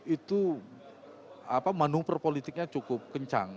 itu manuver politiknya cukup kencang